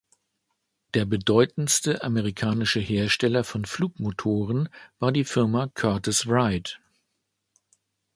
Der bedeutendste amerikanische Hersteller von Flugmotoren war die Firma Curtiss-Wright.